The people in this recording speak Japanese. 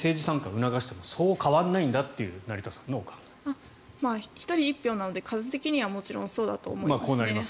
若者に政治参加を促してもそう変わらないんだという１人１票なので数的にはそうだと思いますね。